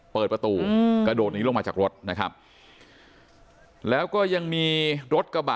เปิดประตูกระโดดหนีลงมาจากรถนะครับแล้วก็ยังมีรถกระบะ